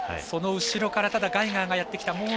その後ろからガイガーがやってきた。